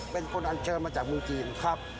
เป็นคนอันเชิญมาจากเมืองจีนครับ